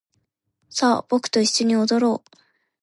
さあ僕と一緒に踊ろう